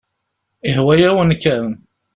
Yehwa-yawen kan.